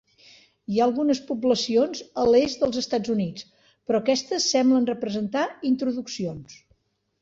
Hi ha algunes poblacions a l'est dels Estats Units, però aquestes semblen representar introduccions.